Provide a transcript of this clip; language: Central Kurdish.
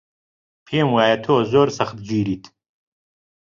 پێم وایە تۆ زۆر سەختگریت.